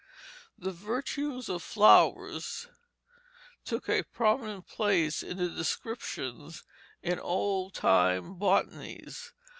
The "virtues of flowers" took a prominent place in the descriptions in old time botanies.